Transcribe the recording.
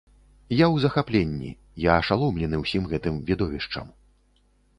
Я ў захапленні, я ашаломлены ўсім гэтым відовішчам.